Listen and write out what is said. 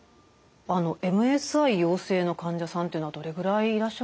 あのＭＳＩ陽性の患者さんっていうのはどれぐらいいらっしゃるんでしょうか？